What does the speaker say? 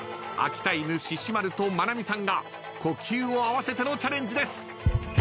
秋田犬ししまると真奈美さんが呼吸を合わせてのチャレンジです。